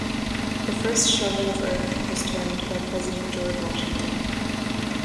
The first shovel of earth was turned by President George Washington.